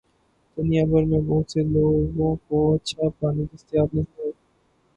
دنیا بھر میں بہت سے لوگوں کو اچھا پانی دستیاب نہیں ہے۔